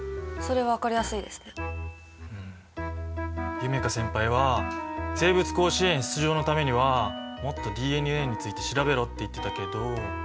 夢叶先輩は「生物甲子園出場のためにはもっとＤＮＡについて調べろ」って言ってたけど。